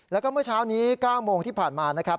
แล้วก็เมื่อเช้านี้๙โมงที่ผ่านมานะครับ